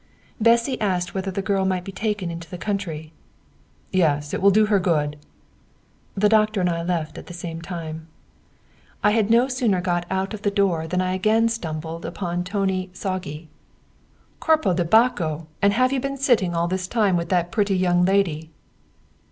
Bessy asked whether the girl might be taken into the country. "Yes, it will do her good." The doctor and I left at the same time. I had no sooner got out of the door than I again stumbled upon Tóni Sági. "Corpo di Bacco! And you have been sitting all this time with that pretty young lady?"